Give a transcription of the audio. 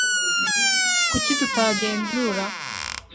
kuki tutagenzura